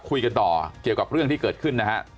คุยกันต่อเกี่ยวกับเรื่องที่เกิดขึ้นนะฮะ